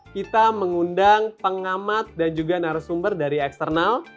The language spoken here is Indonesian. kita mengundang pengamat dan juga narasumber dari eksternal